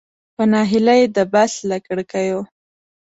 په نهیلۍ د بس له کړکیو.